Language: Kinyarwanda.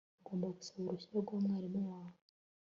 Ugomba gusaba uruhushya rwa mwarimu wawe